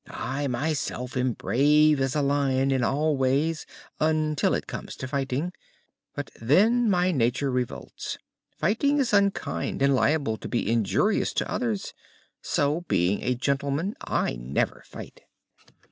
I myself am brave as a lion in all ways until it comes to fighting, but then my nature revolts. Fighting is unkind and liable to be injurious to others; so, being a gentleman, I never fight."